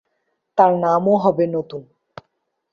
তার নামও হবে নতুন।